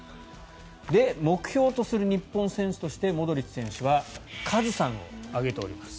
で、目標とする日本選手としてモドリッチ選手はカズさんを挙げております。